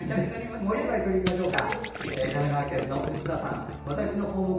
もう１枚、鳥いきましょうか。